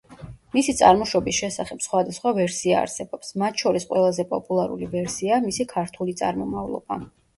მისი წარმოშობის შესახებ სხვადასხვა ვერსია არსებობს, მათ შორის ყველაზე პოპულარული ვერსიაა მისი ქართული წარმომავლობა.